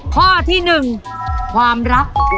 ข้อที่หนึ่งความรัก